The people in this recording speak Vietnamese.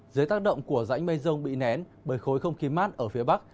dưới tác động của rãnh mây rông bị nén bởi khối không khí mát ở phía bắc